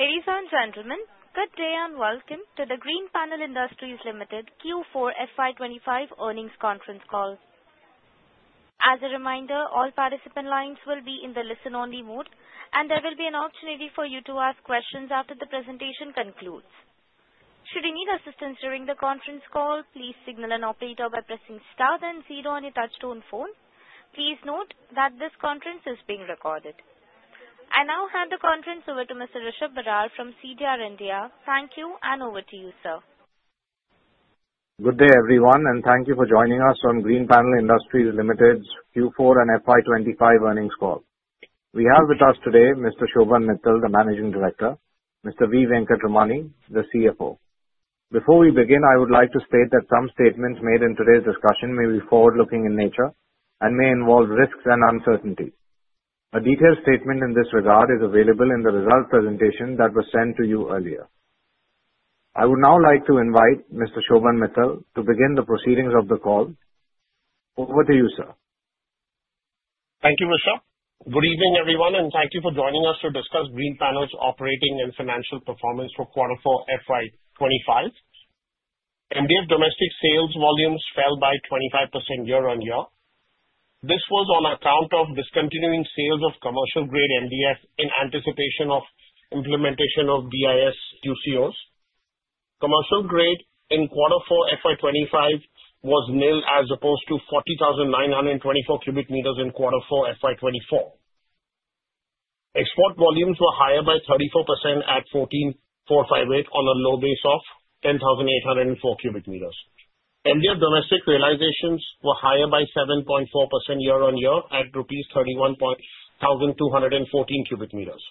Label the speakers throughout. Speaker 1: Ladies and gentlemen, good day and welcome to the Greenpanel Industries Limited Q4 FY25 earnings conference call. As a reminder, all participant lines will be in the listen-only mode, and there will be an opportunity for you to ask questions after the presentation concludes. Should you need assistance during the conference call, please signal an operator by pressing star then zero on your touch-tone phone. Please note that this conference is being recorded. I now hand the conference over to Mr. Rishab Barar from CDR India. Thank you, and over to you, sir.
Speaker 2: Good day, everyone, and thank you for joining us on Greenpanel Industries Ltd. Q4 and FY25 earnings call. We have with us today Mr. Shobhan Mittal, the Managing Director. Mr. V. Venkatramani, the CFO. Before we begin, I would like to state that some statements made in today's discussion may be forward-looking in nature and may involve risks and uncertainties. A detailed statement in this regard is available in the result presentation that was sent to you earlier. I would now like to invite Mr. Shobhan Mittal to begin the proceedings of the call. Over to you, sir.
Speaker 3: Thank you, Rishab. Good evening, everyone, and thank you for joining us to discuss Greenpanel's operating and financial performance for Q4 FY25. MDF domestic sales volumes fell by 25% year-on-year. This was on account of discontinuing sales of commercial-grade MDF in anticipation of implementation of BIS QCOs. Commercial-grade in Q4 FY25 was nil as opposed to 40,924 cubic meters in Q4 FY24. Export volumes were higher by 34% at 14,458 on a low base of 10,804 cubic meters. MDF domestic realizations were higher by 7.4% year-on-year at rupees 31,214 cubic meters.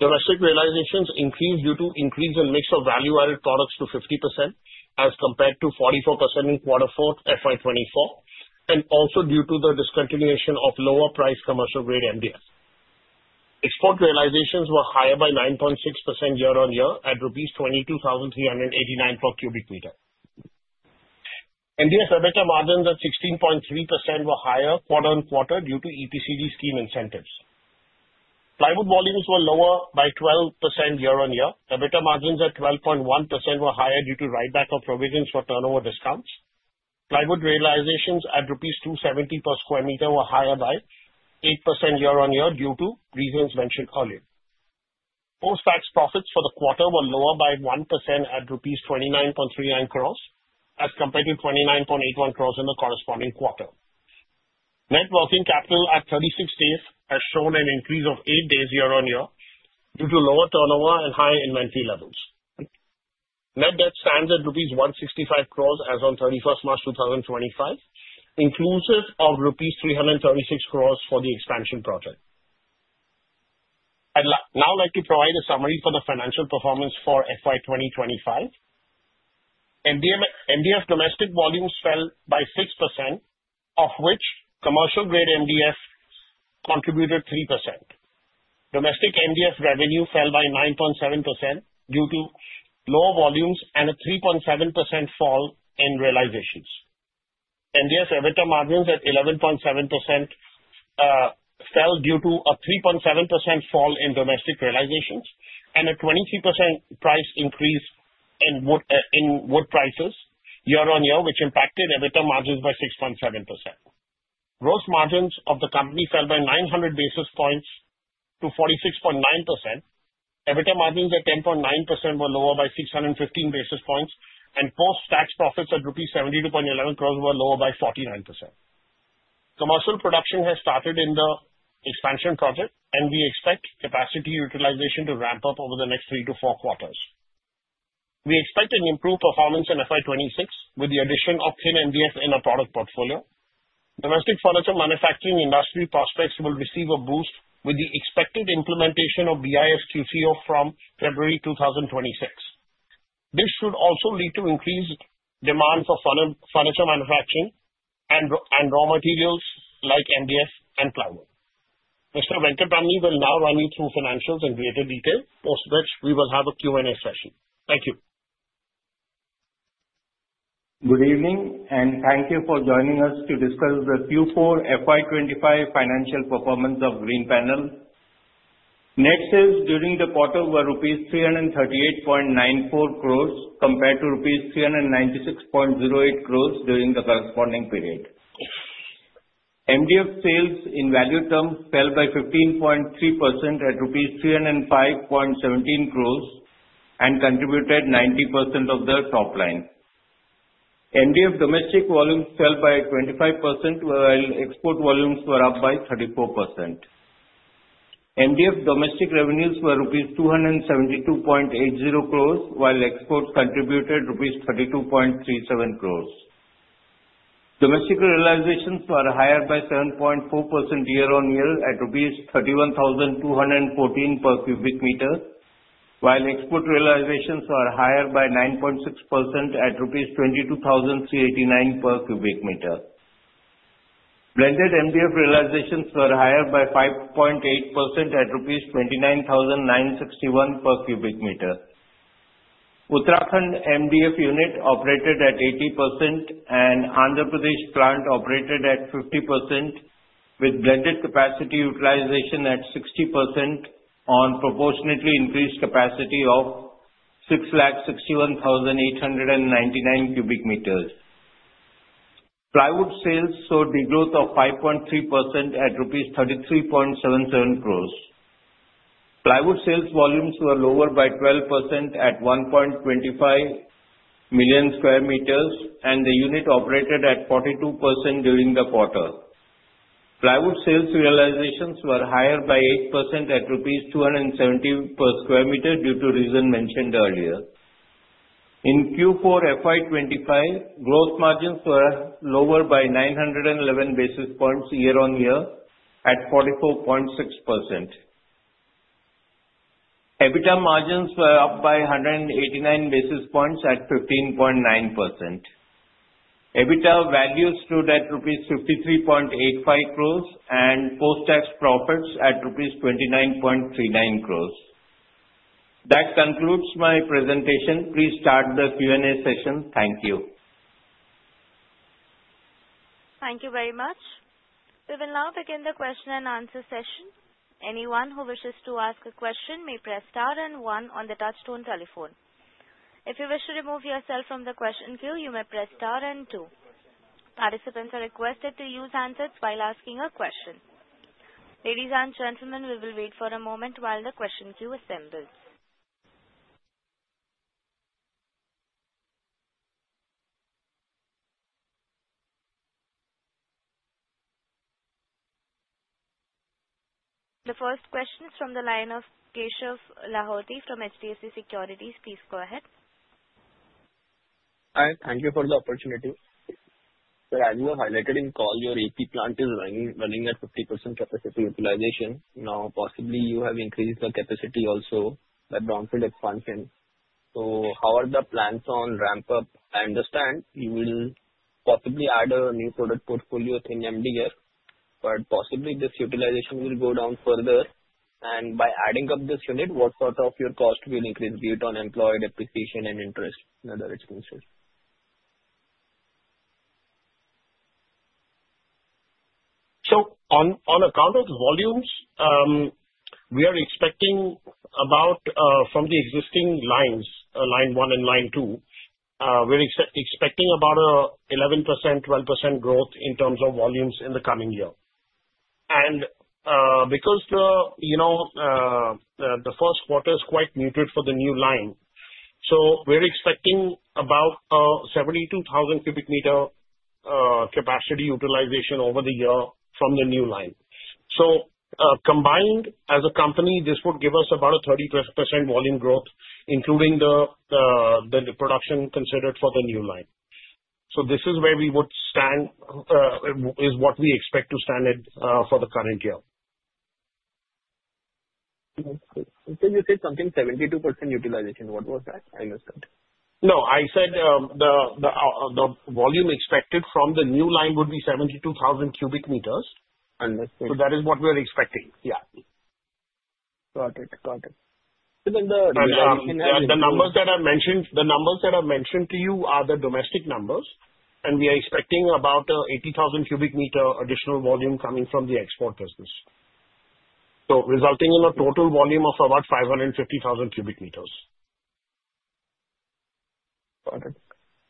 Speaker 3: Domestic realizations increased due to an increase in mix of value-added products to 50% as compared to 44% in Q4 FY24, and also due to the discontinuation of lower-priced commercial-grade MDF. Export realizations were higher by 9.6% year-on-year at rupees 22,389 per cubic meter. MDF EBITDA margins at 16.3% were higher quarter-on-quarter due to EPCG scheme incentives. Plywood volumes were lower by 12% year-on-year. EBITDA margins at 12.1% were higher due to write-back of provisions for turnover discounts. Plywood realizations at rupees 270 per sq m were higher by 8% year-on-year due to reasons mentioned earlier. Post-tax profits for the quarter were lower by 1% at rupees 29.39 as compared to 29.81 in the corresponding quarter. Net working capital at 36 days has shown an increase of 8 days year-on-year due to lower turnover and high inventory levels. Net debt stands at rupees 165 as of 31st March 2025, inclusive of rupees 336 for the expansion project. I'd now like to provide a summary for the financial performance for FY2025. MDF domestic volumes fell by 6%, of which commercial-grade MDF contributed 3%. Domestic MDF revenue fell by 9.7% due to low volumes and a 3.7% fall in realizations. MDF EBITDA margins at 11.7% fell due to a 3.7% fall in domestic realizations and a 23% price increase in wood prices year-on-year, which impacted EBITDA margins by 6.7%. Gross margins of the company fell by 900 basis points to 46.9%. EBITDA margins at 10.9% were lower by 615 basis points, and post-tax profits at rupees 72.11 were lower by 49%. Commercial production has started in the expansion project, and we expect capacity utilization to ramp up over the next three to four quarters. We expect an improved performance in FY26 with the addition of thin MDF in our product portfolio. Domestic furniture manufacturing industry prospects will receive a boost with the expected implementation of BIS QCO from February 2026. This should also lead to increased demand for furniture manufacturing and raw materials like MDF and plywood. Mr. Venkatramani will now run you through financials in greater detail, post which we will have a Q&A session. Thank you.
Speaker 4: Good evening, and thank you for joining us to discuss the Q4 FY25 financial performance of Greenpanel. Net sales, during the quarter, were rupees 338.94 compared to rupees 396.08 during the corresponding period. MDF sales in value term fell by 15.3% at rupees 305.17 and contributed 90% of the top line. MDF domestic volumes fell by 25%, while export volumes were up by 34%. MDF domestic revenues were rupees 272.80, while exports contributed rupees 32.37. Domestic realizations were higher by 7.4% year-on-year at rupees 31,214 per cubic meter, while export realizations were higher by 9.6% at rupees 22,389 per cubic meter. Blended MDF realizations were higher by 5.8% at rupees 29,961 per cubic meter. Uttarakhand MDF unit operated at 80% and Andhra Pradesh plant operated at 50%, with blended capacity utilization at 60% on proportionately increased capacity of 661,899 cubic meters. Plywood sales saw degrowth of 5.3% at INR 33.77. Plywood sales volumes were lower by 12% at 1.25 million sq m, and the unit operated at 42% during the quarter. Plywood sales realizations were higher by 8% at rupees 270 per sq m due to reasons mentioned earlier. In Q4 FY25, gross margins were lower by 911 basis points year-on-year at 44.6%. EBITDA margins were up by 189 basis points at 15.9%. EBITDA value stood at rupees 53.85 and post-tax profits at rupees 29.39. That concludes my presentation. Please start the Q&A session. Thank you.
Speaker 1: Thank you very much. We will now begin the question and answer session. Anyone who wishes to ask a question may press star and one on the touch-tone telephone. If you wish to remove yourself from the question queue, you may press star and two. Participants are requested to use handsets while asking a question. Ladies and gentlemen, we will wait for a moment while the question queue assembles. The first question is from the line of Keshav Lahoti from HDFC Securities. Please go ahead.
Speaker 5: Hi. Thank you for the opportunity. Sir, as you have highlighted in the call, your Andhra Pradesh plant is running at 50% capacity utilization. Now, possibly you have increased the capacity also by brownfield expansion. So how are the plans on ramp up? I understand you will possibly add a new product portfolio in MDF, but possibly this utilization will go down further. And by adding up this unit, what sort of your cost will increase beyond employee depreciation and interest, whether it's considered?
Speaker 3: So on account of the volumes, we are expecting about from the existing lines, line one and line two, we're expecting about an 11%-12% growth in terms of volumes in the coming year. And because the first quarter is quite muted for the new line, so we're expecting about 72,000 cubic meter capacity utilization over the year from the new line. So combined, as a company, this would give us about a 30% volume growth, including the production considered for the new line. So this is where we would stand, is what we expect to stand for the current year.
Speaker 5: So you said something 72% utilization. What was that? I misheard.
Speaker 3: No, I said the volume expected from the new line would be 72,000 cubic meters.
Speaker 5: Understood.
Speaker 3: So that is what we are expecting. Yeah.
Speaker 5: Got it. Got it.
Speaker 3: The numbers that I mentioned, the numbers that I've mentioned to you are the domestic numbers, and we are expecting about 80,000 cubic meters additional volume coming from the export business, so resulting in a total volume of about 550,000 cubic meters.
Speaker 5: Got it.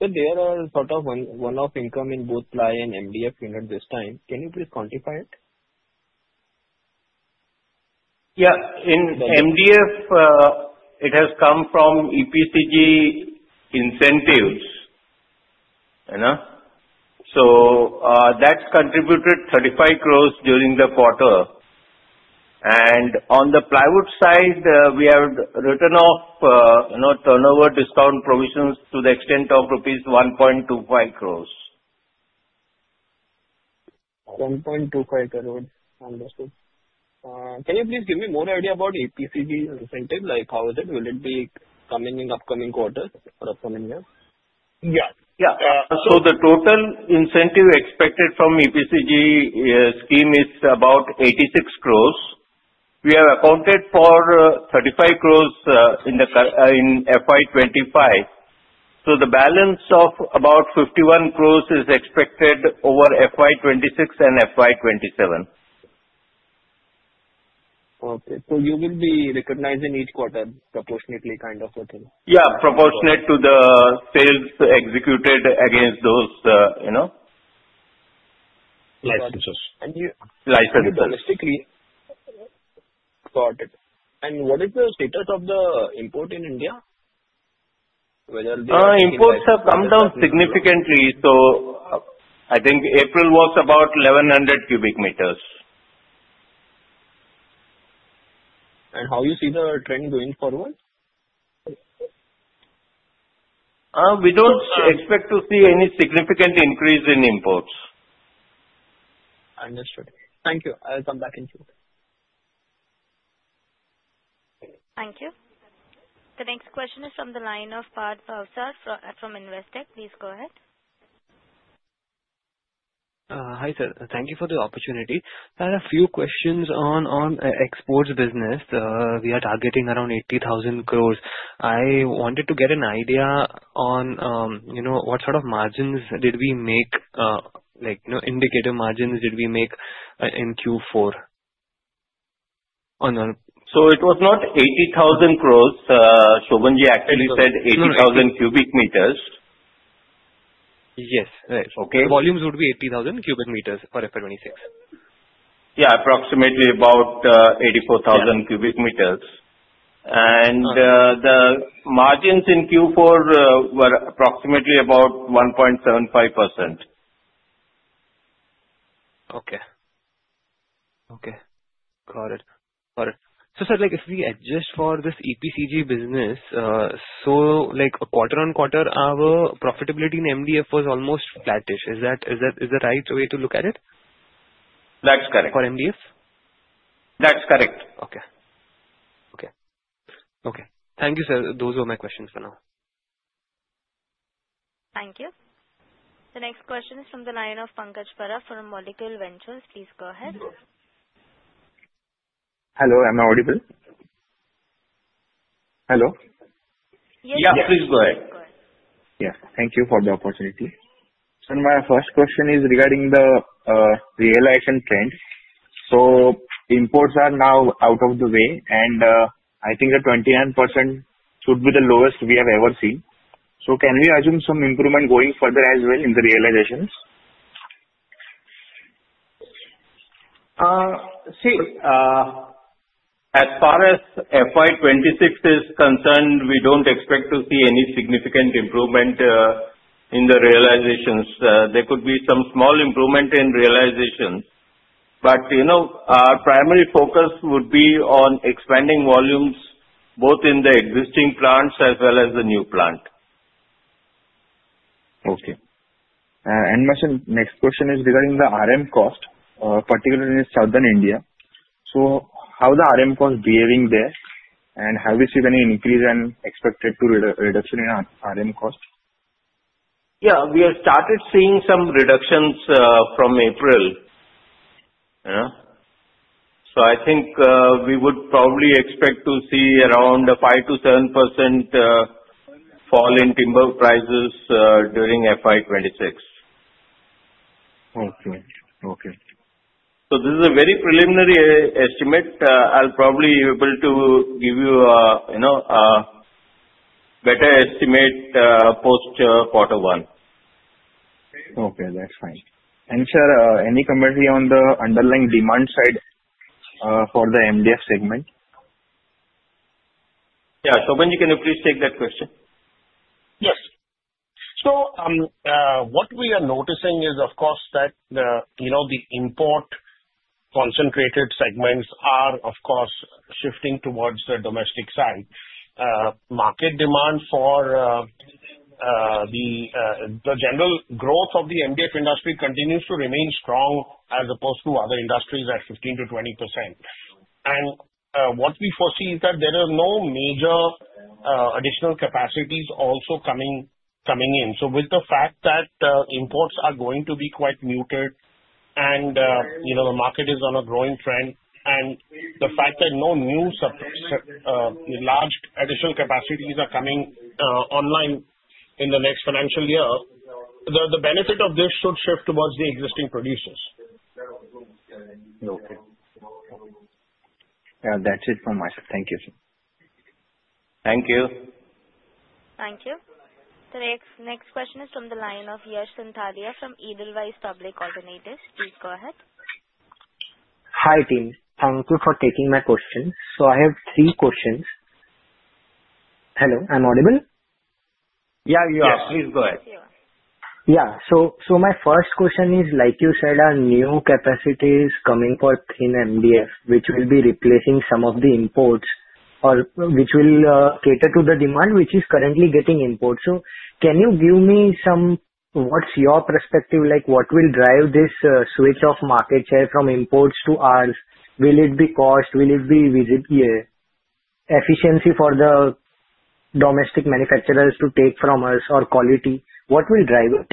Speaker 5: Sir, there are sort of one-off income in both ply and MDF unit this time. Can you please quantify it?
Speaker 3: Yeah. In MDF, it has come from EPCG incentives. So that's contributed 35 crores during the quarter. And on the plywood side, we have written off turnover discount provisions to the extent of rupees 1.25.
Speaker 5: 1.25. Understood. Can you please give me more idea about EPCG incentive? Like how is it? Will it be coming in upcoming quarters or upcoming year?
Speaker 3: So the total incentive expected from EPCG scheme is about 86 crores. We have accounted for 35 crores in FY25. So the balance of about 51 crores is expected over FY26 and FY27.
Speaker 5: Okay. So you will be recognizing each quarter proportionately kind of what?
Speaker 3: Yeah. Proportionate to the sales executed against those licenses.
Speaker 5: And you domestically. Got it. And what is the status of the import in India?
Speaker 3: Imports have come down significantly. So I think April was about 1,100 cubic meters.
Speaker 5: How do you see the trend going forward?
Speaker 3: We don't expect to see any significant increase in imports.
Speaker 5: Understood. Thank you. I'll come back in too.
Speaker 1: Thank you. The next question is from the line of Parth Bhavsar from Investec. Please go ahead.
Speaker 6: Hi, sir. Thank you for the opportunity. I have a few questions on exports business. We are targeting around 80,000 crores. I wanted to get an idea on what sort of margins did we make, like indicative margins did we make in Q4?
Speaker 3: It was not 80,000 crores. Shobhan ji actually said 80,000 cubic meters.
Speaker 6: Yes. Right. Volumes would be 80,000 cubic meters for FY26?
Speaker 3: Yeah. Approximately about 84,000 cubic meters, and the margins in Q4 were approximately about 1.75%.
Speaker 6: Okay. Okay. Got it. Got it. So sir, if we adjust for this EPCG business, so a quarter-on-quarter our profitability in MDF was almost flattish. Is that the right way to look at it?
Speaker 3: That's correct.
Speaker 6: For MDF?
Speaker 3: That's correct.
Speaker 6: Okay. Thank you, sir. Those were my questions for now.
Speaker 1: Thank you. The next question is from the line of Pankaj Bobade from Molecule Ventures. Please go ahead.
Speaker 7: Hello. Am I audible? Hello?
Speaker 1: Yes.
Speaker 3: Yeah. Please go ahead.
Speaker 7: Yeah. Thank you for the opportunity. So my first question is regarding the realization trend. So imports are now out of the way, and I think the 29% should be the lowest we have ever seen. So can we assume some improvement going further as well in the realizations?
Speaker 3: See, as far as FY26 is concerned, we don't expect to see any significant improvement in the realizations. There could be some small improvement in realizations, but our primary focus would be on expanding volumes both in the existing plants as well as the new plant.
Speaker 7: Okay. And next question is regarding the RM cost, particularly in South India. So how is the RM cost behaving there, and have we seen any increase and expected to reduction in RM cost?
Speaker 3: Yeah. We have started seeing some reductions from April. So I think we would probably expect to see around 5%-7% fall in timber prices during FY26.
Speaker 7: Okay. Okay.
Speaker 3: So this is a very preliminary estimate. I'll probably be able to give you a better estimate post-quarter one.
Speaker 7: Okay. That's fine. And sir, any commentary on the underlying demand side for the MDF segment?
Speaker 3: Yeah. Shobhanji, can you please take that question? Yes. So what we are noticing is, of course, that the import concentrated segments are, of course, shifting towards the domestic side. Market demand for the general growth of the MDF industry continues to remain strong as opposed to other industries at 15%-20%. And what we foresee is that there are no major additional capacities also coming in. So with the fact that imports are going to be quite muted and the market is on a growing trend, and the fact that no new large additional capacities are coming online in the next financial year, the benefit of this should shift towards the existing producers. Okay.
Speaker 7: Yeah. That's it from my side. Thank you, sir.
Speaker 3: Thank you.
Speaker 1: Thank you. The next question is from the line of Yash Sarda from Edelweiss Public Alternatives. Please go ahead.
Speaker 8: Hi, team. Thank you for taking my question. So I have three questions. Hello, I'm audible?
Speaker 3: Yeah. You are.
Speaker 8: Yes. Please go ahead.
Speaker 1: Yes. You are.
Speaker 8: Yeah. So my first question is, like you said, new capacities coming for thin MDF, which will be replacing some of the imports, or which will cater to the demand which is currently getting imports. So can you give me some what's your perspective? Like what will drive this switch of market share from imports to ours? Will it be cost? Will it be efficiency for the domestic manufacturers to take from us or quality? What will drive it?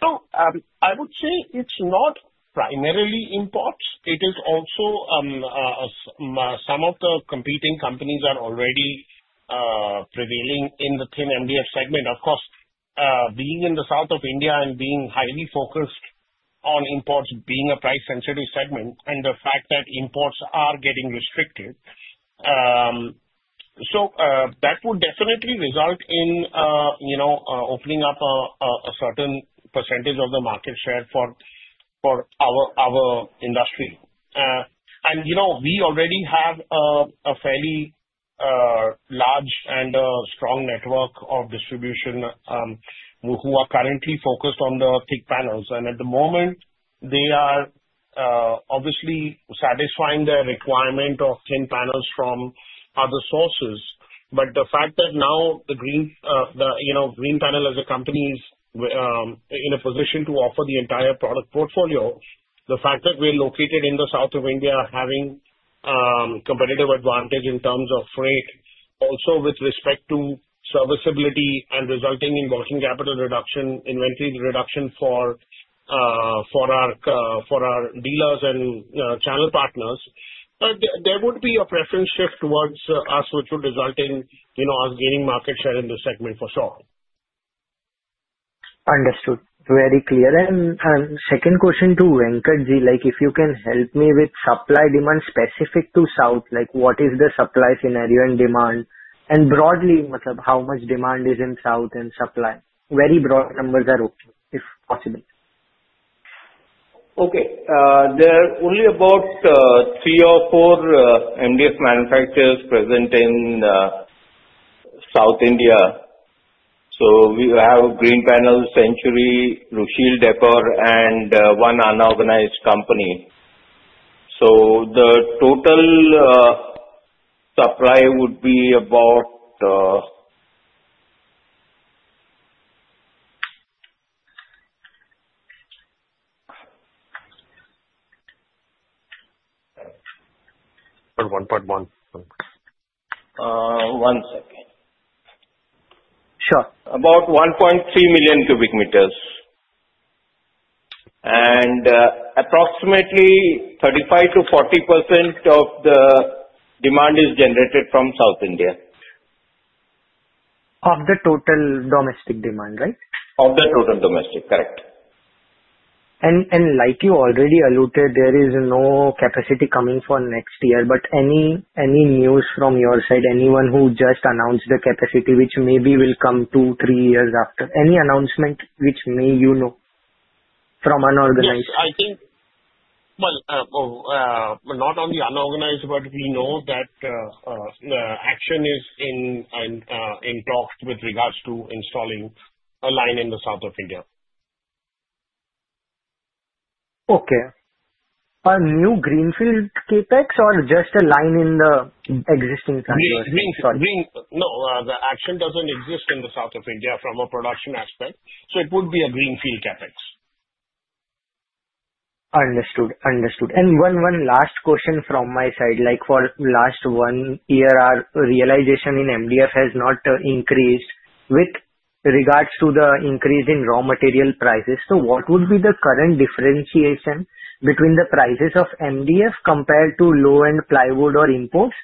Speaker 3: So I would say it's not primarily imports. It is also some of the competing companies are already prevailing in the thin MDF segment. Of course, being in South India and being highly focused on imports being a price-sensitive segment and the fact that imports are getting restricted, so that would definitely result in opening up a certain percentage of the market share for our industry. And we already have a fairly large and strong network of distribution who are currently focused on the thick panels. And at the moment, they are obviously satisfying their requirement of thin panels from other sources. But the fact that now the Greenpanel as a company is in a position to offer the entire product portfolio, the fact that we're located in the South of India having competitive advantage in terms of freight, also with respect to serviceability and resulting in working capital reduction, inventory reduction for our dealers and channel partners, there would be a preference shift towards us, which would result in us gaining market share in the segment for sure.
Speaker 8: Understood. Very clear. And second question to Venkatji, if you can help me with supply demand specific to South, like what is the supply scenario and demand? And broadly, how much demand is in South and supply? Very broad numbers are okay if possible.
Speaker 4: Okay. There are only about three or four MDF manufacturers present in South India, so we have Greenpanel, Century, Rushil Decor, and one unorganized company, so the total supply would be about.
Speaker 3: Or 1.1.
Speaker 4: One second.
Speaker 8: Sure.
Speaker 4: About 1.3 million cubic meters. Approximately 35%-40% of the demand is generated from South India.
Speaker 8: Of the total domestic demand, right?
Speaker 4: Of the total domestic. Correct.
Speaker 8: Like you already alluded, there is no capacity coming for next year. Any news from your side, anyone who just announced the capacity, which maybe will come two, three years after? Any announcement which may, you know, from unorganized?
Speaker 4: I think, well, not only unorganized, but we know that the Action is in talks with regards to installing a line in the south of India.
Speaker 8: Okay. A new greenfield CapEx or just a line in the existing plant?
Speaker 3: No. The Action doesn't exist in the south of India from a production aspect. So it would be a greenfield CapEx.
Speaker 8: Understood. Understood. And one last question from my side. Like for last one year, our realization in MDF has not increased with regards to the increase in raw material prices. So what would be the current differentiation between the prices of MDF compared to low-end plywood or imports,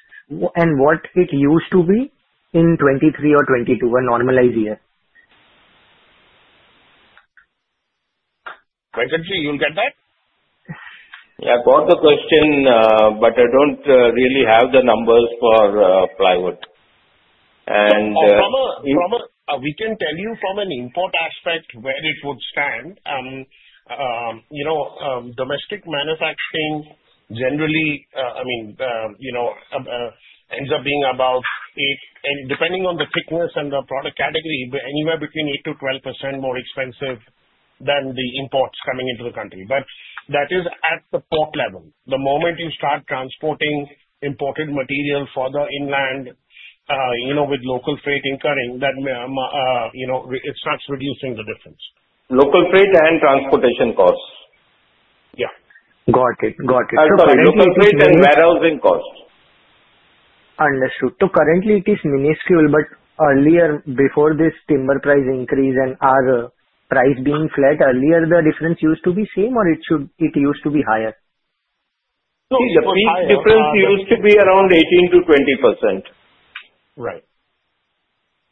Speaker 8: and what it used to be in 2023 or 2022, a normalized year?
Speaker 3: Venkatji, you'll get that?
Speaker 4: Yeah. Got the question, but I don't really have the numbers for plywood, and we can tell you from an import aspect where it would stand. Domestic manufacturing generally, I mean, ends up being about 8%, depending on the thickness and the product category, anywhere between 8% to 12% more expensive than the imports coming into the country, but that is at the port level. The moment you start transporting imported material further inland with local freight incurring, then it starts reducing the difference. Local freight and transportation costs.
Speaker 8: Yeah. Got it. Got it.
Speaker 3: Sorry. Local freight and warehousing costs.
Speaker 8: Understood. So currently, it is minuscule, but earlier, before this timber price increase and our price being flat, earlier, the difference used to be same or it used to be higher?
Speaker 3: No. The difference used to be around 18%-20%.
Speaker 8: Right.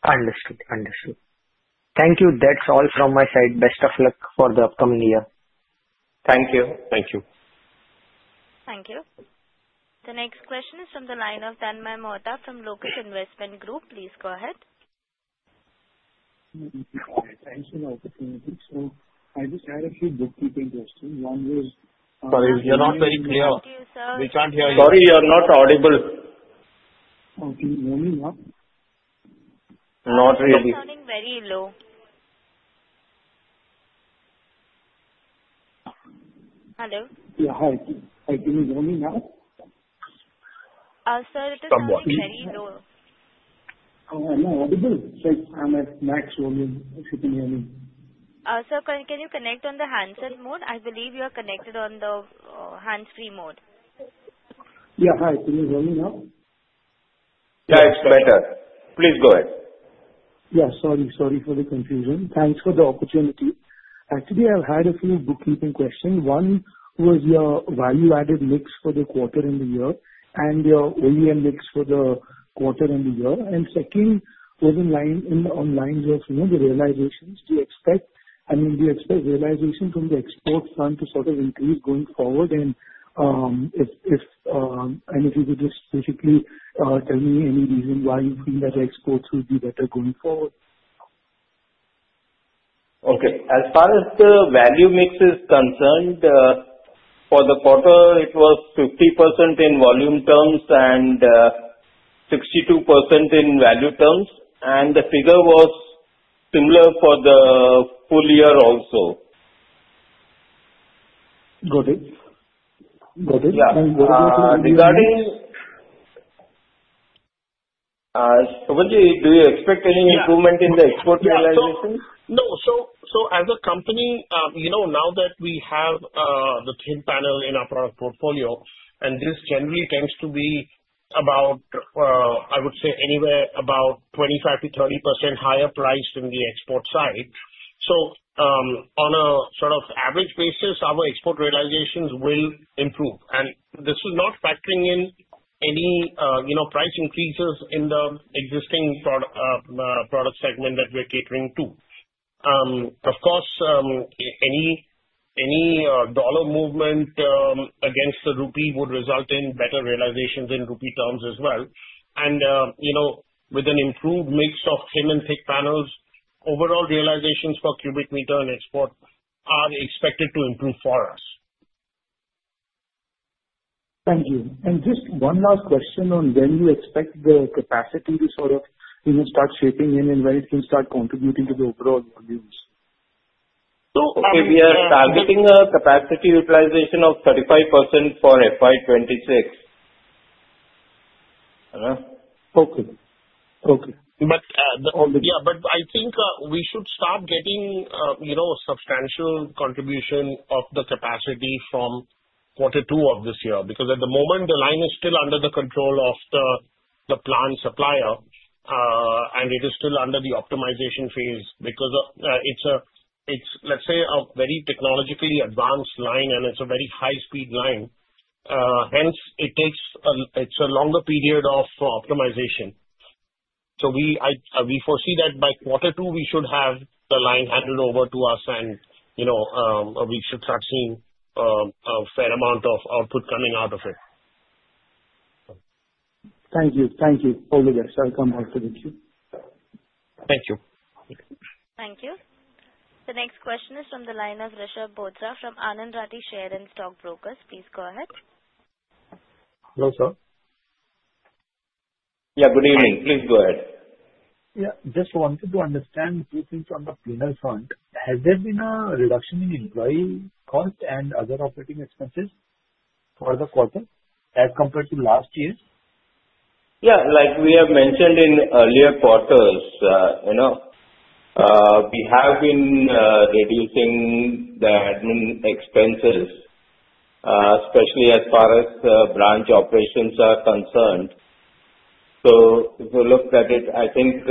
Speaker 8: Understood. Understood. Thank you. That's all from my side. Best of luck for the upcoming year.
Speaker 3: Thank you.
Speaker 4: Thank you.
Speaker 1: Thank you. The next question is from the line of Tanmaiy Mohta from Locus Investment Group. Please go ahead.
Speaker 9: Thanks for the opportunity. So I just had a few bookkeeping questions. One was.
Speaker 3: Sorry. We are not very clear.
Speaker 1: Thank you, sir.
Speaker 3: We can't hear you. Sorry. You are not audible.
Speaker 9: Okay. You hear me now?
Speaker 3: Not really.
Speaker 1: It's coming very low. Hello?
Speaker 9: Yeah. Hi. Can you hear me now?
Speaker 1: Sir, it is coming very low.
Speaker 9: I'm not audible. It's like I'm at max volume. If you can hear me?
Speaker 1: Sir, can you connect on the hands-on mode? I believe you are connected on the hands-free mode.
Speaker 9: Yeah. Hi. Can you hear me now?
Speaker 3: Yeah. It's better. Please go ahead.
Speaker 9: Yeah. Sorry. Sorry for the confusion. Thanks for the opportunity. Actually, I've had a few bookkeeping questions. One was your value-added mix for the quarter and the year and your OEM mix for the quarter and the year. And second was on lines of the realizations to expect. I mean, do you expect realization from the export front to sort of increase going forward? And if you could just specifically tell me any reason why you think that exports would be better going forward.
Speaker 3: Okay. As far as the value mix is concerned, for the quarter, it was 50% in volume terms and 62% in value terms, and the figure was similar for the full year also.
Speaker 9: Got it. Got it. And what about the.
Speaker 3: Regarding.
Speaker 9: ji, do you expect any improvement in the export realization?
Speaker 3: No. So as a company, now that we have the thin panel in our product portfolio, and this generally tends to be about, I would say, anywhere about 25%-30% higher priced than the export side. So on a sort of average basis, our export realizations will improve. And this is not factoring in any price increases in the existing product segment that we're catering to. Of course, any dollar movement against the rupee would result in better realizations in rupee terms as well. And with an improved mix of thin and thick panels, overall realizations for cubic meter and export are expected to improve for us.
Speaker 9: Thank you. And just one last question on when you expect the capacity to sort of start shaping in and when it can start contributing to the overall volumes?
Speaker 3: We are targeting a capacity utilization of 35% for FY26. Hello?
Speaker 9: Okay. Okay.
Speaker 3: I think we should start getting a substantial contribution of the capacity from quarter two of this year because at the moment, the line is still under the control of the planned supplier, and it is still under the optimization phase because it's, let's say, a very technologically advanced line, and it's a very high-speed line. Hence, it's a longer period of optimization. So we foresee that by quarter two, we should have the line handed over to us, and we should start seeing a fair amount of output coming out of it.
Speaker 9: Thank you. Thank you. All the best. I'll come back to the queue.
Speaker 3: Thank you.
Speaker 1: Thank you. The next question is from the line of Rishabh Bohra from Anand Rathi Share and Stock Brokers. Please go ahead.
Speaker 10: Hello, sir.
Speaker 3: Yeah. Good evening. Please go ahead.
Speaker 10: Yeah. Just wanted to understand a few things on the payment front. Has there been a reduction in employee cost and other operating expenses for the quarter as compared to last year?
Speaker 3: Yeah. Like we have mentioned in earlier quarters, we have been reducing the admin expenses, especially as far as branch operations are concerned. So if you look at it, I think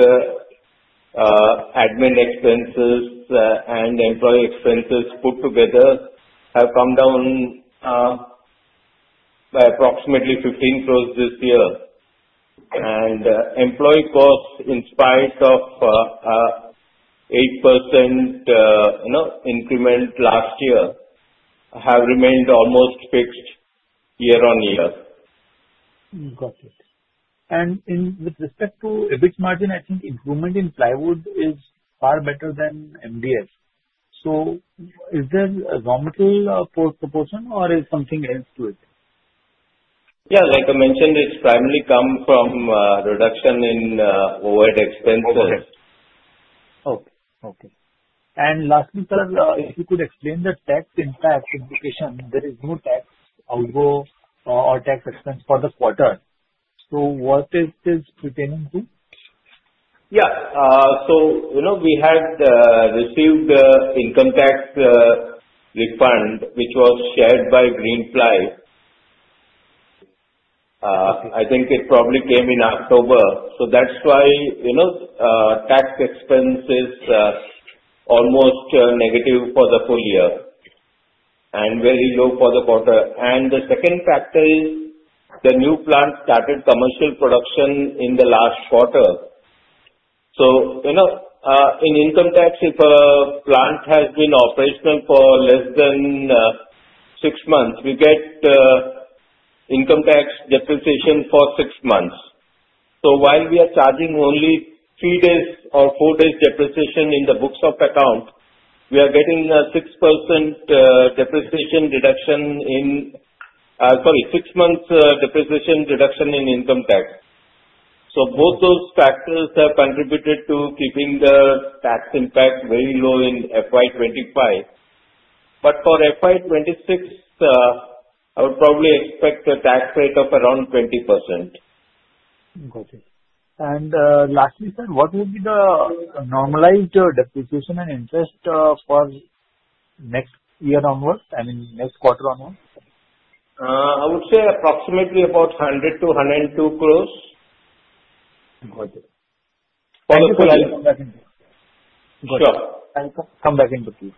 Speaker 3: admin expenses and employee expenses put together have come down by approximately 15% this year. And employee costs, in spite of an 8% increment last year, have remained almost fixed year on year.
Speaker 10: Got it. And with respect to EBIT margin, I think improvement in plywood is far better than MDF. So is there a raw material proportion, or is something else to it?
Speaker 3: Yeah. Like I mentioned, it's primarily come from reduction in OpEx expenses.
Speaker 10: Lastly, sir, if you could explain the tax impact implication? There is no tax outgo or tax expense for the quarter. What is this pertaining to?
Speaker 3: Yeah. So we had received the income tax refund, which was shared by Greenpanel. I think it probably came in October. So that's why tax expense is almost negative for the full year and very low for the quarter. And the second factor is the new plant started commercial production in the last quarter. So in income tax, if a plant has been operational for less than six months, we get income tax depreciation for six months. So while we are charging only three days or four days depreciation in the books of account, we are getting a 6% depreciation reduction in, sorry, 6 months depreciation reduction in income tax. So both those factors have contributed to keeping the tax impact very low in FY25. But for FY26, I would probably expect a tax rate of around 20%.
Speaker 10: Got it. And lastly, sir, what will be the normalized depreciation and interest for next year onward? I mean, next quarter onward?
Speaker 3: I would say approximately about 100%-102% growth.
Speaker 10: Got it. Thank you.
Speaker 3: For the full year.
Speaker 10: Got it.
Speaker 3: Sure.
Speaker 10: Thank you. Come back in the queue.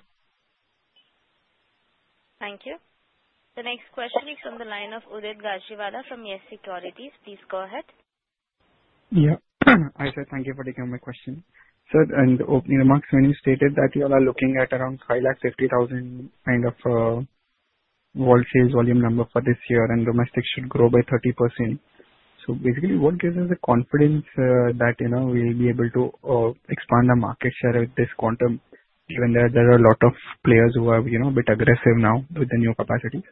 Speaker 1: Thank you. The next question is from the line of Udit Gajiwala from YES SECURITIES. Please go ahead.
Speaker 11: Yeah. Hi, sir. Thank you for taking my question. Sir, in the opening remarks, when you stated that you all are looking at around 550,000 kind of wholesale volume number for this year and domestic should grow by 30%. So basically, what gives us the confidence that we'll be able to expand our market share with this quantum given that there are a lot of players who are a bit aggressive now with the new capacity?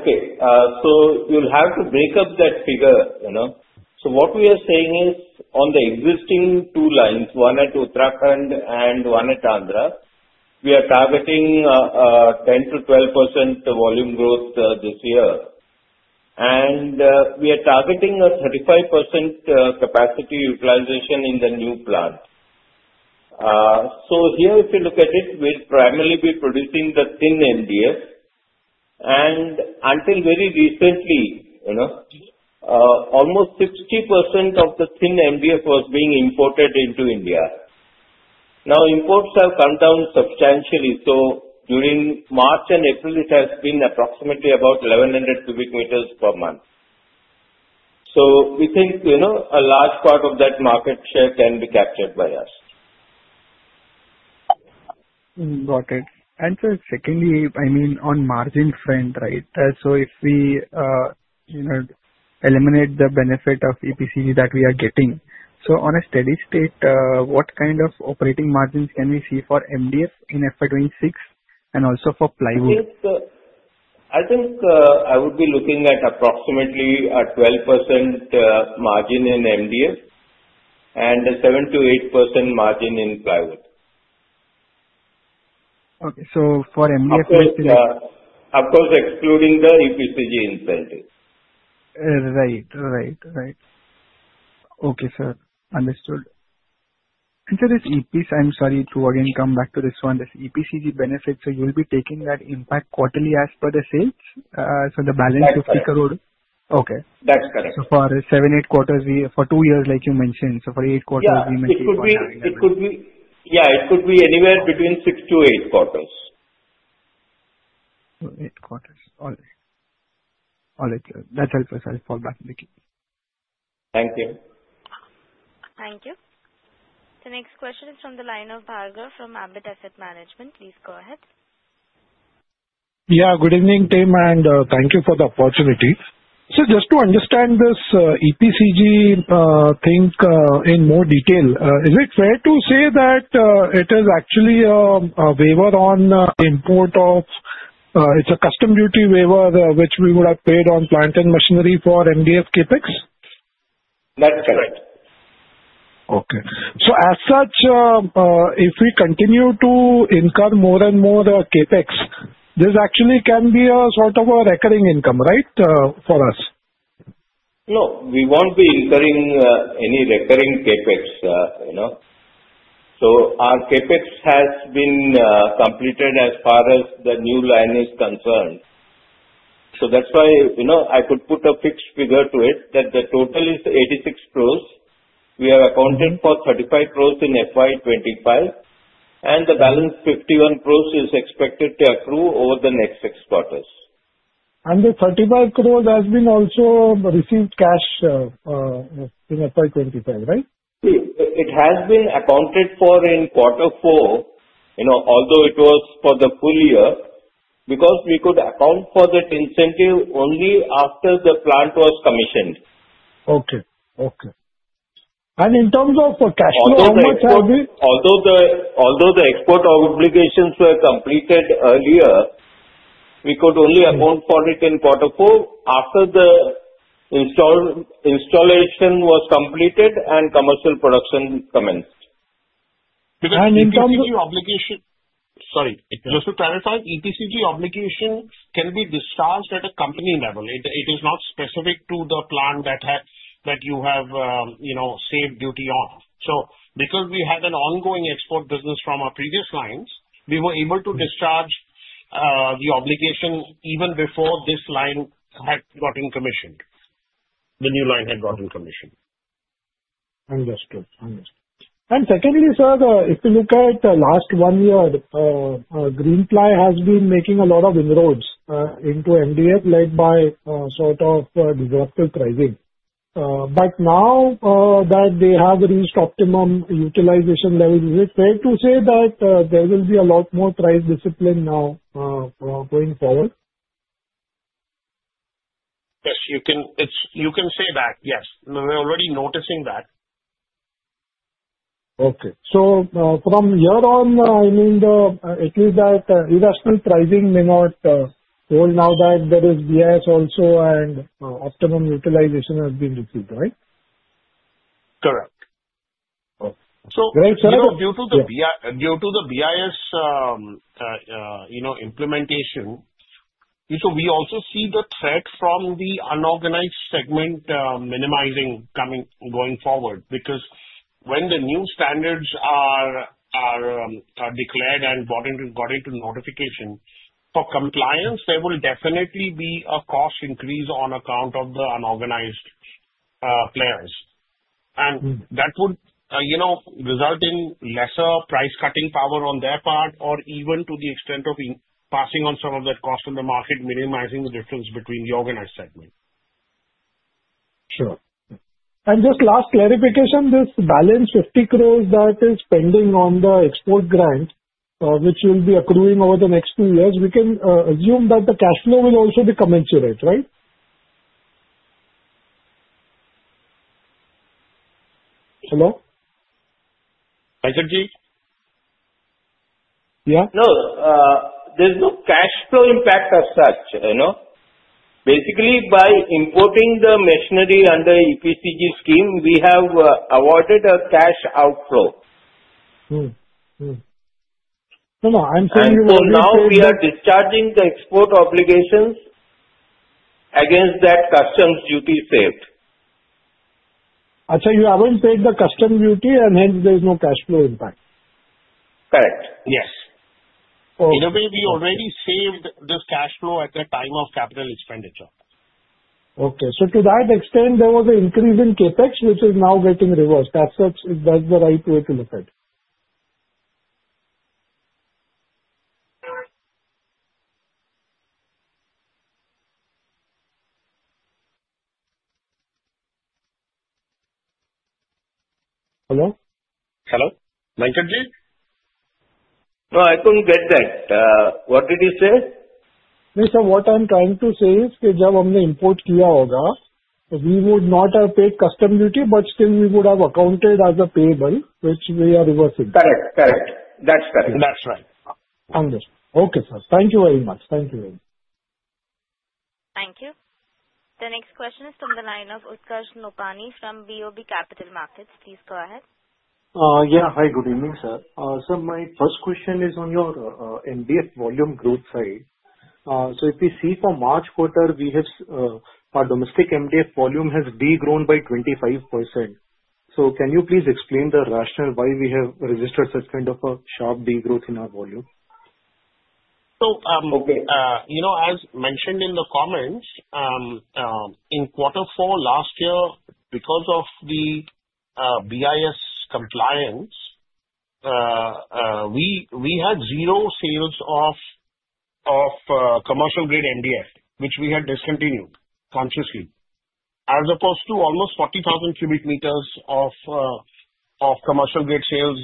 Speaker 3: Okay. So you'll have to break up that figure. So what we are saying is on the existing two lines, one at Uttarakhand and one at Andhra, we are targeting 10%-12% volume growth this year. And we are targeting a 35% capacity utilization in the new plant. So here, if you look at it, we'll primarily be producing the thin MDF. And until very recently, almost 60% of the thin MDF was being imported into India. Now, imports have come down substantially. So during March and April, it has been approximately about 1,100 cubic meters per month. So we think a large part of that market share can be captured by us.
Speaker 11: Got it. Sir, secondly, I mean, on margin front, right? If we eliminate the benefit of EPCG that we are getting, on a steady state, what kind of operating margins can we see for MDF in FY26 and also for plywood?
Speaker 3: I think I would be looking at approximately a 12% margin in MDF and a 7 to 8% margin in plywood.
Speaker 11: Okay, so for MDF, basically.
Speaker 3: Of course, excluding the EPCG incentive.
Speaker 11: Right. Okay, sir. Understood. Sir, I'm sorry to again come back to this one. This EPCG benefit, so you'll be taking that impact quarterly as per the sales? So the balance is 50 crore?
Speaker 3: That's correct.
Speaker 11: Okay. So for seven, eight quarters, for two years, like you mentioned. So for eight quarters, we mentioned quarterly.
Speaker 3: Yeah. It could be anywhere between six to eight quarters.
Speaker 11: So eight quarters. All right. That's helpful. I'll fall back in the queue.
Speaker 3: Thank you.
Speaker 1: Thank you. The next question is from the line of Bhargav from Ambit Asset Management. Please go ahead.
Speaker 12: Yeah. Good evening, team, and thank you for the opportunity. Sir, just to understand this EPCG thing in more detail, is it fair to say that it is actually a waiver on import of, it's a customs duty waiver which we would have paid on plant and machinery for MDF CapEx?
Speaker 3: That's correct.
Speaker 12: Okay. So as such, if we continue to incur more and more CapEx, this actually can be a sort of a recurring income, right, for us?
Speaker 3: No. We won't be incurring any recurring CapEx. So our CapEx has been completed as far as the new line is concerned. So that's why I could put a fixed figure to it that the total is 86 crores. We have accounted for 35 crores in FY25, and the balance 51 crores is expected to accrue over the next six quarters.
Speaker 12: The 35 crores has been also received cash in FY25, right?
Speaker 3: It has been accounted for in quarter four, although it was for the full year because we could account for that incentive only after the plant was commissioned.
Speaker 12: Okay. And in terms of cash flow, how much have we?
Speaker 3: Although the export obligations were completed earlier, we could only account for it in quarter four after the installation was completed and commercial production commenced.
Speaker 12: In terms of EPCG obligation, sorry. Just to clarify, EPCG obligation can be discharged at a company level. It is not specific to the plant that you have saved duty on. So because we had an ongoing export business from our previous lines, we were able to discharge the obligation even before this line had gotten commissioned, the new line had gotten commissioned. Understood. Understood. Secondly, sir, if you look at the last one year, Greenpanel has been making a lot of inroads into MDF led by sort of disruptive pricing. But now that they have reached optimum utilization level, is it fair to say that there will be a lot more price discipline now going forward?
Speaker 3: Yes. You can say that. Yes. We're already noticing that.
Speaker 12: From here on, I mean, it means that irrational pricing may not hold now that there is BIS also and optimum utilization has been achieved, right?
Speaker 3: Correct.
Speaker 12: Okay. So.
Speaker 3: So due to the BIS implementation, so we also see the threat from the unorganized segment minimizing going forward because when the new standards are declared and brought into notification, for compliance, there will definitely be a cost increase on account of the unorganized players. And that would result in lesser price-cutting power on their part or even to the extent of passing on some of that cost in the market, minimizing the difference between the organized segment.
Speaker 12: Sure. And just last clarification, this balance 50 crores that is pending on the export grant, which will be accruing over the next two years, we can assume that the cash flow will also be commensurate, right? Hello?
Speaker 3: Venkat ji.
Speaker 12: Yeah.
Speaker 3: No. There's no cash flow impact as such. Basically, by importing the machinery under EPCG scheme, we have avoided a cash outflow.
Speaker 12: No, no. I'm saying you were.
Speaker 3: So now we are discharging the export obligations against that customs duty saved.
Speaker 12: I'm sorry. You haven't saved the customs duty, and hence there's no cash flow impact.
Speaker 3: Correct. Yes.
Speaker 12: Okay.
Speaker 3: In a way, we already saved this cash flow at the time of capital expenditure.
Speaker 12: Okay. So to that extent, there was an increase in KPEX, which is now getting reversed. That's the right way to look at it. Hello?
Speaker 3: Hello? Bhargav ji? I couldn't get that. What did you say?
Speaker 12: No, sir. What I'm trying to say is that when we import, we would not have paid customs duty, but still we would have accounted as a payable, which we are reversing.
Speaker 3: Correct. Correct. That's correct.
Speaker 12: That's right. Understood. Okay, sir. Thank you very much. Thank you very much.
Speaker 1: Thank you. The next question is from the line of Utkarsh Nopany from BOB Capital Markets. Please go ahead.
Speaker 13: Yeah. Hi. Good evening, sir. Sir, my first question is on your MDF volume growth side. So if we see for March quarter, our domestic MDF volume has degrown by 25%. So can you please explain the rationale why we have registered such kind of a sharp degrowth in our volume?
Speaker 3: As mentioned in the comments, in quarter four last year, because of the BIS compliance, we had zero sales of commercial-grade MDF, which we had discontinued consciously, as opposed to almost 40,000 cubic meters of commercial-grade sales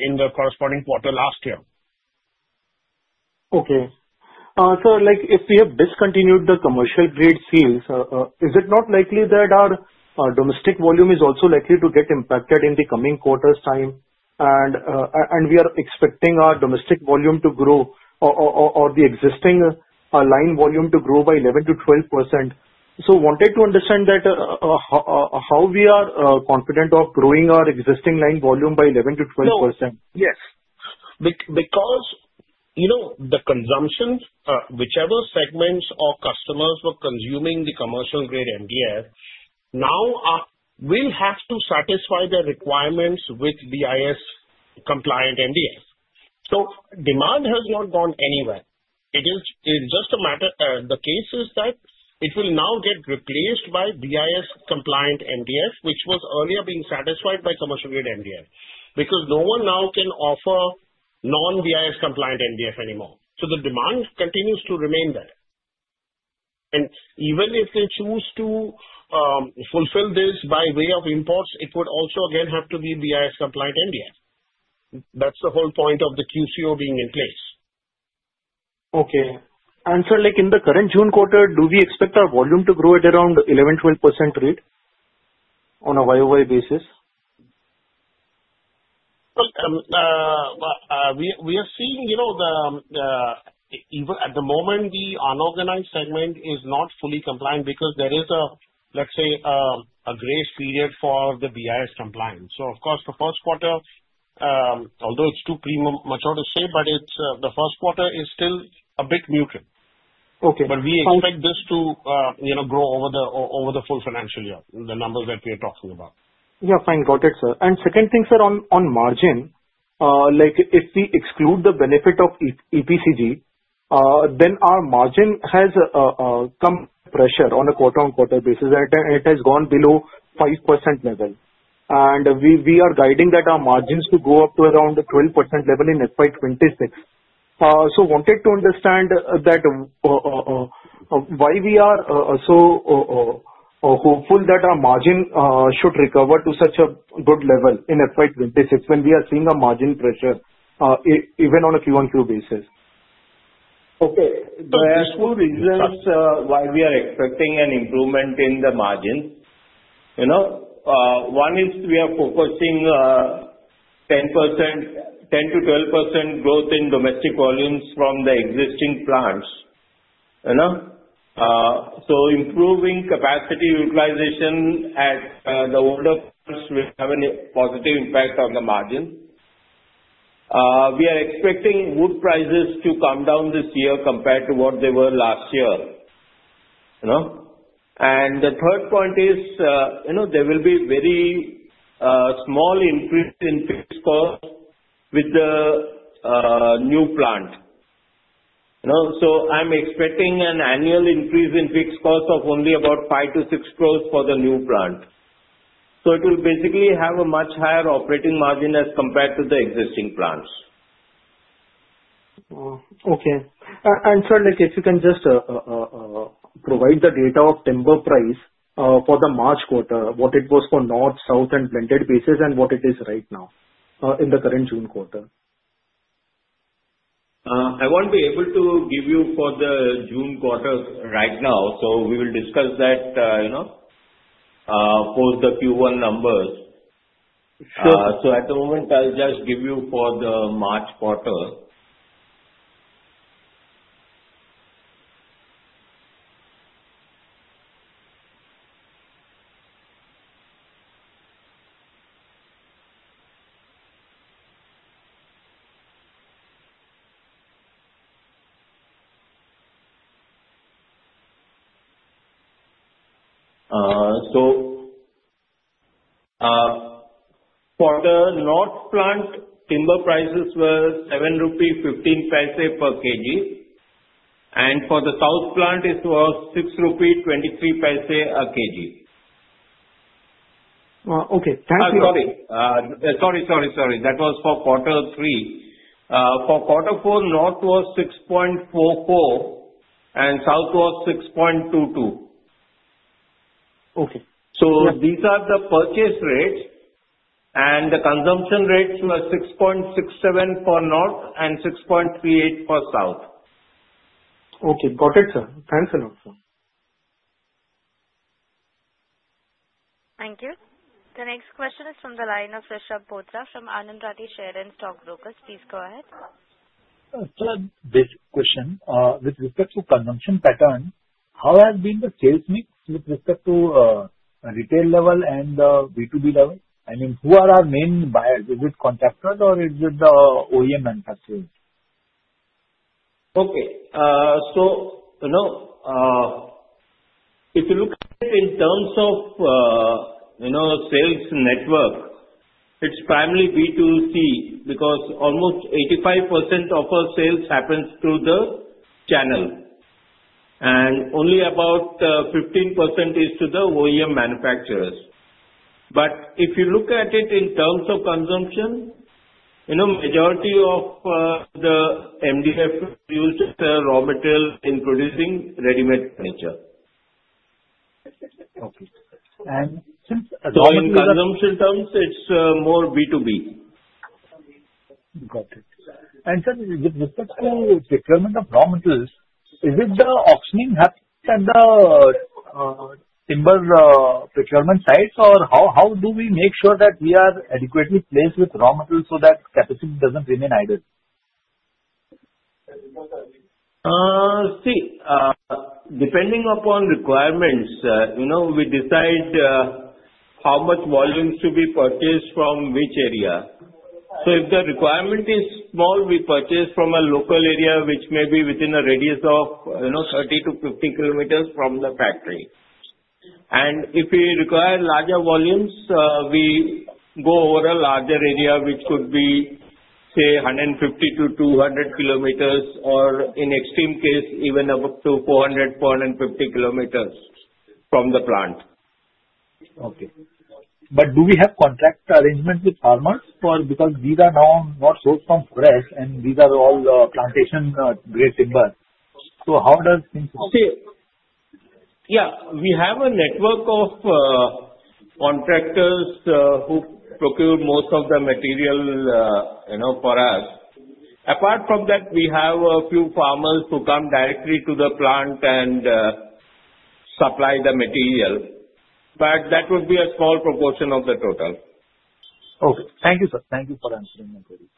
Speaker 3: in the corresponding quarter last year.
Speaker 13: Okay. So if we have discontinued the commercial-grade sales, is it not likely that our domestic volume is also likely to get impacted in the coming quarter's time? And we are expecting our domestic volume to grow or the existing line volume to grow by 11%-12%. So I wanted to understand how we are confident of growing our existing line volume by 11%-12%.
Speaker 3: Yes. Because the consumption, whichever segments or customers were consuming the commercial-grade MDF, now will have to satisfy their requirements with BIS-compliant MDF. So demand has not gone anywhere. It is just a matter. The case is that it will now get replaced by BIS-compliant MDF, which was earlier being satisfied by commercial-grade MDF because no one now can offer non-BIS-compliant MDF anymore. So the demand continues to remain there. And even if they choose to fulfill this by way of imports, it would also again have to be BIS-compliant MDF. That's the whole point of the QCO being in place.
Speaker 13: Okay. And sir, in the current June quarter, do we expect our volume to grow at around 11%-12% rate on a YOY basis?
Speaker 3: We are seeing that even at the moment, the unorganized segment is not fully compliant because there is, let's say, a grace period for the BIS compliance. So of course, the first quarter, although it's too premature to say, but the first quarter is still a bit muted. But we expect this to grow over the full financial year, the numbers that we are talking about.
Speaker 13: Yeah. Fine. Got it, sir. And second thing, sir, on margin, if we exclude the benefit of EPCG, then our margin has come under pressure on a quarter-on-quarter basis, and it has gone below 5% level. And we are guiding that our margins to go up to around 12% level in FY26. So I wanted to understand why we are so hopeful that our margin should recover to such a good level in FY26 when we are seeing a margin pressure even on a Q1Q basis.
Speaker 4: Okay. There are two reasons why we are expecting an improvement in the margin. One is we are focusing 10%-12% growth in domestic volumes from the existing plants. So improving capacity utilization at the older plants will have a positive impact on the margin. We are expecting wood prices to come down this year compared to what they were last year. And the third point is there will be a very small increase in fixed costs with the new plant. So I'm expecting an annual increase in fixed costs of only about 5-6 crores for the new plant. So it will basically have a much higher operating margin as compared to the existing plants.
Speaker 13: Okay. And sir, if you can just provide the data of timber price for the March quarter, what it was for north, south, and blended basis, and what it is right now in the current June quarter.
Speaker 4: I won't be able to give you for the June quarter right now, so we will discuss that for the Q1 numbers, so at the moment, I'll just give you for the March quarter, so for the North plant, timber prices were 7.15 rupee per kg, and for the South plant, it was 6.23 rupee a kg.
Speaker 13: Okay. Thank you.
Speaker 4: Sorry. That was for quarter three. For quarter four, North was 6.44, and South was 6.22.
Speaker 13: Okay.
Speaker 4: These are the purchase rates, and the consumption rates were 6.67 for North and 6.38 for South.
Speaker 13: Okay. Got it, sir. Thanks a lot, sir.
Speaker 1: Thank you. The next question is from the line of Yash Bhutra from Anand Rathi Share and Stock Brokers. Please go ahead.
Speaker 14: Sir, basic question. With respect to consumption pattern, how has been the sales mix with respect to retail level and B2B level? I mean, who are our main buyers? Is it contractors, or is it the OEM manufacturers?
Speaker 3: Okay. If you look at it in terms of sales network, it's primarily B2C because almost 85% of our sales happens through the channel, and only about 15% is to the OEM manufacturers. If you look at it in terms of consumption, the majority of the MDF uses raw material in producing ready-made furniture.
Speaker 14: Okay. And since.
Speaker 3: In consumption terms, it's more B2B.
Speaker 14: Got it. And sir, with respect to procurement of raw materials, is it the auctioning happening at the timber procurement sites, or how do we make sure that we are adequately placed with raw materials so that capacity doesn't remain idle?
Speaker 3: See, depending upon requirements, we decide how much volumes to be purchased from which area. So if the requirement is small, we purchase from a local area, which may be within a radius of 30-50 km from the factory, and if we require larger volumes, we go over a larger area, which could be, say, 150-200 km, or in extreme case, even up to 400-450 km from the plant.
Speaker 14: Okay. But do we have contract arrangements with farmers because these are now not sold from forest, and these are all plantation-grade timber? So how does things work?
Speaker 3: See, yeah. We have a network of contractors who procure most of the material for us. Apart from that, we have a few farmers who come directly to the plant and supply the material. But that would be a small proportion of the total.
Speaker 14: Okay. Thank you, sir. Thank you for answering my question.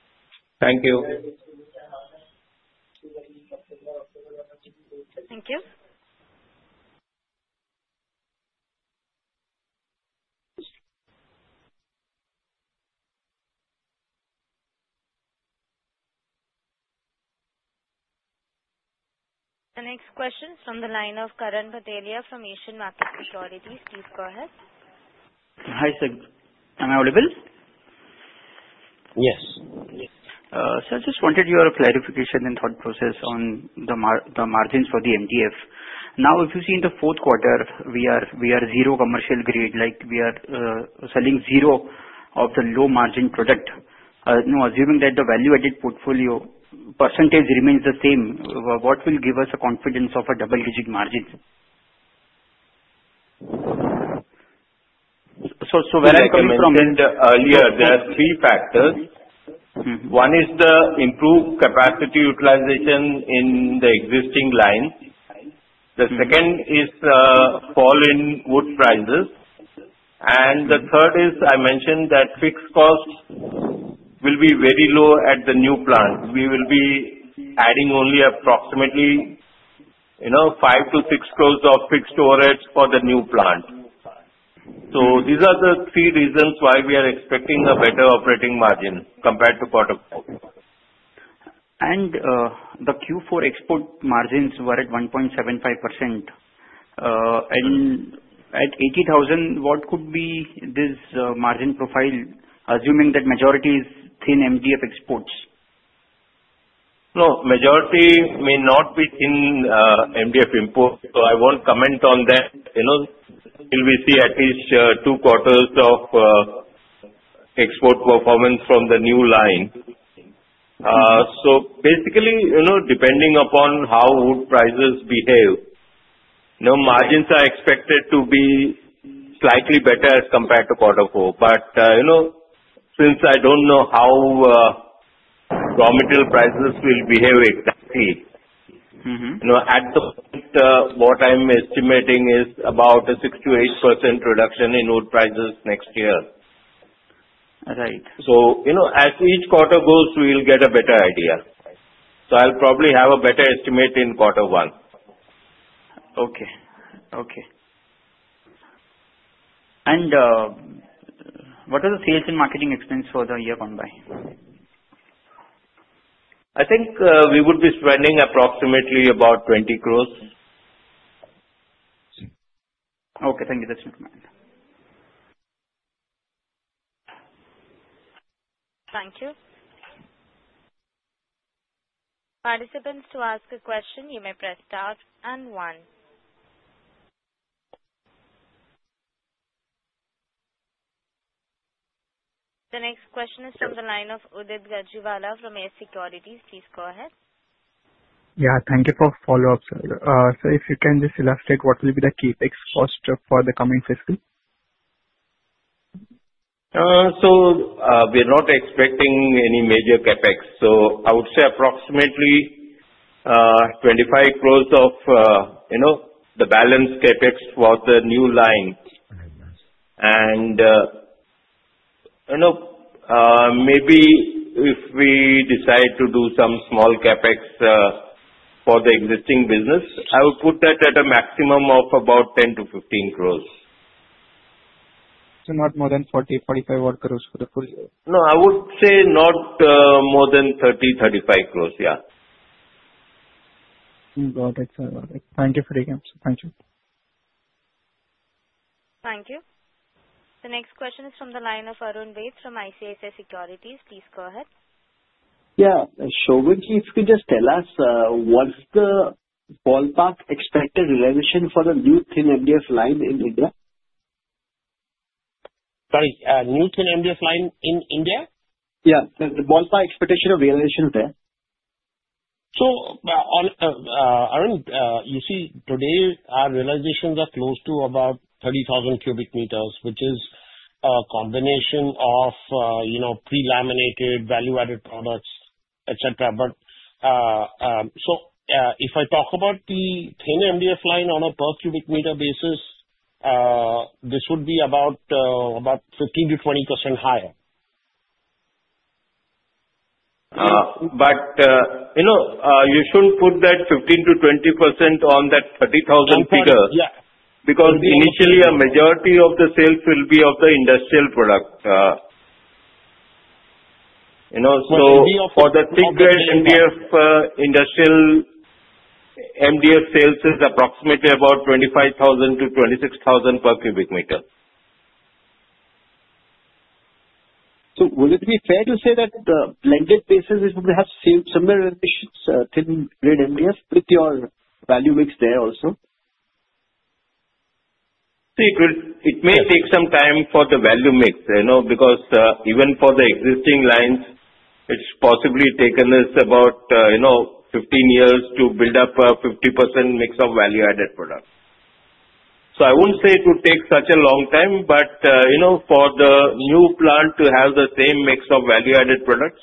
Speaker 3: Thank you.
Speaker 1: Thank you. The next question is from the line of Karan Bhatelia from Asian Market Securities. Please go ahead.
Speaker 15: Hi, sir. Am I audible?
Speaker 3: Yes.
Speaker 1: Yes.
Speaker 15: Sir, I just wanted your clarification and thought process on the margins for the MDF. Now, if you see in the fourth quarter, we are zero commercial-grade, like we are selling zero of the low-margin product. Now, assuming that the value-added portfolio percentage remains the same, what will give us a confidence of a double-digit margin? So where are you coming from?
Speaker 3: As I mentioned earlier, there are three factors. One is the improved capacity utilization in the existing line. The second is fall in wood prices, and the third is I mentioned that fixed costs will be very low at the new plant. We will be adding only approximately 5-6 crores of fixed overheads for the new plant, so these are the three reasons why we are expecting a better operating margin compared to quarter four.
Speaker 15: The Q4 export margins were at 1.75%. At 80,000, what could be this margin profile, assuming that majority is thin MDF exports?
Speaker 3: No, majority may not be thin MDF imports. So I won't comment on that. We will see at least two quarters of export performance from the new line. So basically, depending upon how wood prices behave, margins are expected to be slightly better compared to quarter four. But since I don't know how raw material prices will behave exactly, at the moment, what I'm estimating is about a 6%-8% reduction in wood prices next year.
Speaker 15: Right.
Speaker 3: So as each quarter goes, we will get a better idea. So I'll probably have a better estimate in quarter one.
Speaker 15: Okay. And what are the sales and marketing expenses for the year gone by?
Speaker 3: I think we would be spending approximately about 20 crores.
Speaker 15: Okay. Thank you. That's not bad.
Speaker 1: Thank you. Participants, to ask a question, you may press star and one. The next question is from the line of Udit Gajiwala from YES SECURITIES. Please go ahead.
Speaker 11: Yeah. Thank you for follow-up, sir. So if you can just elaborate, what will be the CapEx cost for the coming fiscal?
Speaker 3: So we are not expecting any major CapEx. So I would say approximately 25 crores of the balance CapEx for the new line. And maybe if we decide to do some small CapEx for the existing business, I would put that at a maximum of about 10-15 crores.
Speaker 11: So not more than 40-45, what crores for the full year?
Speaker 3: No, I would say not more than 30-35 crores. Yeah.
Speaker 11: Got it. Thank you for the example. Thank you.
Speaker 1: Thank you. The next question is from the line of Arun Baid from ICICI Securities. Please go ahead.
Speaker 16: Yeah. Shobhanji, if you could just tell us, what's the ballpark expected realization for the new thin MDF line in India?
Speaker 3: Sorry. New thin MDF line in India?
Speaker 16: Yeah. The ballpark expectation of realization is there.
Speaker 3: Arun, you see, today, our realizations are close to about 30,000 cubic meters, which is a combination of pre-laminated, value-added products, etc. But if I talk about the thin MDF line on a per cubic meter basis, this would be about 15%-20% higher. But you shouldn't put that 15%-20% on that 30,000 figure because initially, a majority of the sales will be of the industrial product. So for the thick-grade MDF, industrial MDF sales is approximately about 25,000-26,000 per cubic meter.
Speaker 16: So would it be fair to say that the blended basis is going to have similar thin-grade MDF with your value mix there also?
Speaker 3: See, it may take some time for the value mix because even for the existing lines, it's possibly taken us about 15 years to build up a 50% mix of value-added products. So I wouldn't say it would take such a long time, but for the new plant to have the same mix of value-added products,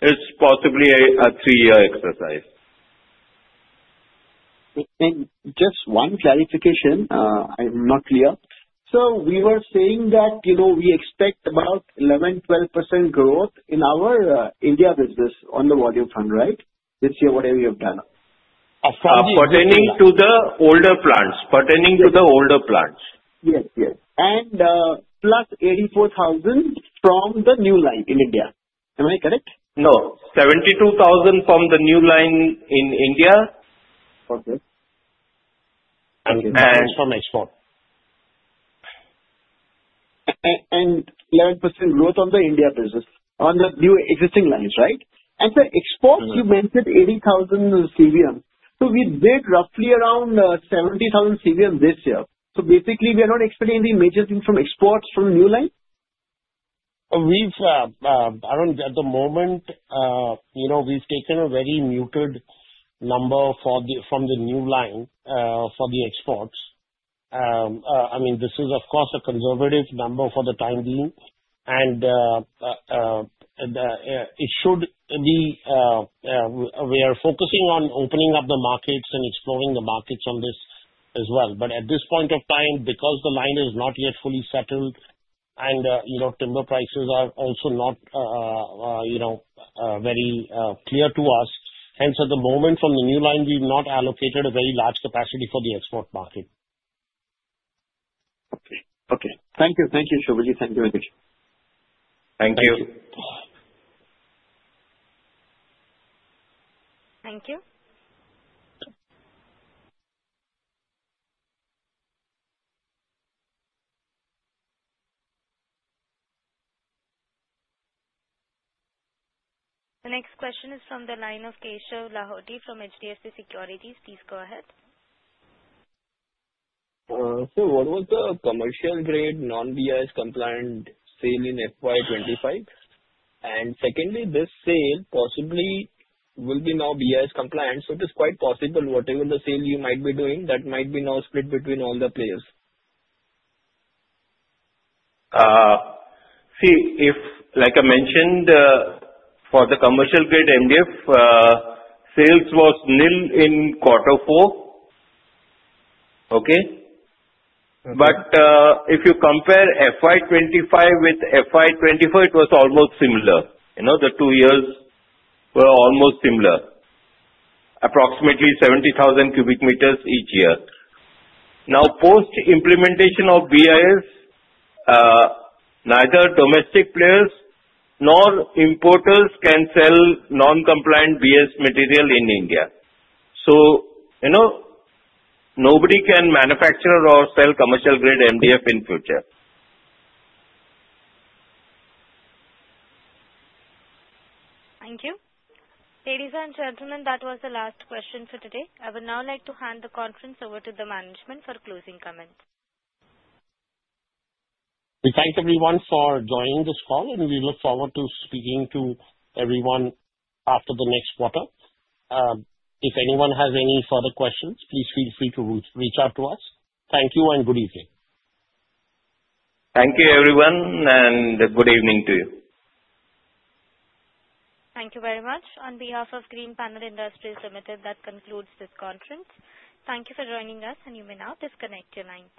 Speaker 3: it's possibly a three-year exercise.
Speaker 16: Just one clarification. I'm not clear. So we were saying that we expect about 11%-12% growth in our India business on the volume front, right? This year, whatever you have done.
Speaker 3: Pertaining to the older plants.
Speaker 16: Yes. Yes. And plus 84,000 from the new line in India. Am I correct?
Speaker 3: No. 72,000 from the new line in India.
Speaker 16: Okay. And from export? And 11% growth on the India business on the new existing lines, right? And the exports, you mentioned 80,000 CVM. So we did roughly around 70,000 CVM this year. So basically, we are not expecting any major things from exports from the new line?
Speaker 3: Arun, at the moment, we've taken a very muted number from the new line for the exports. I mean, this is, of course, a conservative number for the time being, and it should be we are focusing on opening up the markets and exploring the markets on this as well, but at this point of time, because the line is not yet fully settled and timber prices are also not very clear to us, hence, at the moment, from the new line, we've not allocated a very large capacity for the export market.
Speaker 16: Okay. Okay. Thank you. Thank you, Shobhanji. Thank you very much.
Speaker 3: Thank you.
Speaker 1: Thank you. The next question is from the line of Keshav Lahoti from HDFC Securities. Please go ahead.
Speaker 5: Sir, what was the commercial-grade non-BIS compliant sale in FY 25? And secondly, this sale possibly will be now BIS compliant. So it is quite possible whatever the sale you might be doing, that might be now split between all the players.
Speaker 3: See, like I mentioned, for the commercial-grade MDF, sales was nil in quarter four.
Speaker 5: Okay?
Speaker 3: But if you compare FY 25 with FY 24, it was almost similar. The two years were almost similar, approximately 70,000 cubic meters each year. Now, post-implementation of BIS, neither domestic players nor importers can sell non-compliant BIS material in India. So nobody can manufacture or sell commercial-grade MDF in future.
Speaker 1: Thank you. Ladies and gentlemen, that was the last question for today. I would now like to hand the conference over to the management for closing comments.
Speaker 2: Thank everyone for joining this call, and we look forward to speaking to everyone after the next quarter. If anyone has any further questions, please feel free to reach out to us. Thank you, and good evening.
Speaker 3: Thank you, everyone, and good evening to you.
Speaker 1: Thank you very much. On behalf of Greenpanel Industries Ltd, that concludes this conference. Thank you for joining us, and you may now disconnect your line.